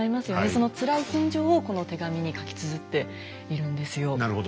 そのつらい心情をこの手紙に書きつづっているんですよ。